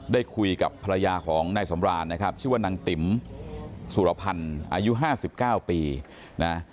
ได้คุยกับภรรยาของนายสำราญนะครับชื่อว่านางติ๋มสุรพันธ์อายุ๕๙ปีนะ